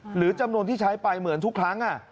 หรือจำนวนที่ใช้ไปเหมือนทุกครั้ง